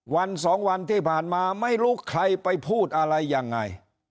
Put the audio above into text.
วันสองวันที่ผ่านมาไม่รู้ใครไปพูดอะไรยังไง